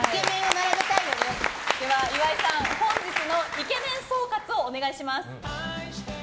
岩井さん、本日のイケメン総括をお願いいたします。